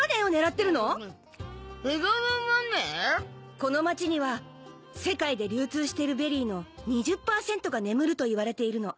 この街には世界で流通してるベリーの２０％が眠るといわれているの。